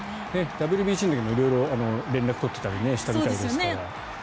ＷＢＣの時も色々連絡を取っていたりしていたみたいですから。